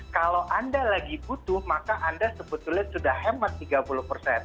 kalau anda lagi butuh maka anda sebetulnya sudah hemat tiga puluh persen